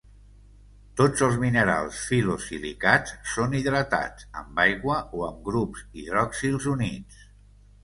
Tots els minerals fil·losilicats són hidratats, amb aigua o amb grups hidroxils units.